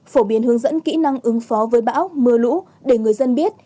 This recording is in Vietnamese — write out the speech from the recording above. phổ biến hướng dẫn kỹ năng ứng phó với bão mưa lũ để người dân biết